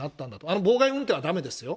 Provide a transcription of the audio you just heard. あの妨害運転はだめですよ。